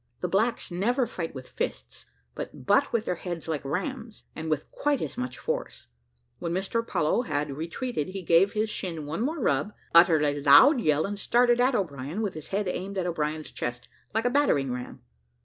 The blacks never fight with fists, but butt with their heads like rams, and with quite as much force. When Mr Apollo had retreated he gave his shin one more rub, uttered a loud yell, and started at O'Brien, with his head aimed at O'Brien's chest, like a battering ram.